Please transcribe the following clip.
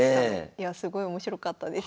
いやすごい面白かったです。